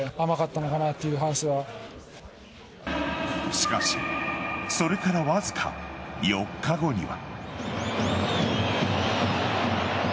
しかしそれからわずか４日後には。